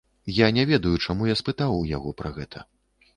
Я не ведаю, чаму я спытаў у яго пра гэта.